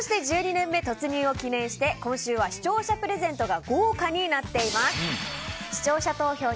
そして、１２年目突入を記念して今週は視聴者プレゼントが豪華になっています。